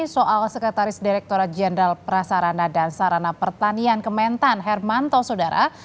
soal sekretaris direkturat jenderal prasarana dan sarana pertanian kementan hermanto sodara